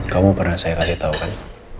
kamu pernah saya kasih tau kan